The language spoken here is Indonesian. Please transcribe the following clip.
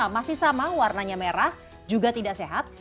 masih sama warnanya merah juga tidak sehat